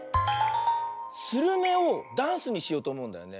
スルメをダンスにしようとおもうんだよね。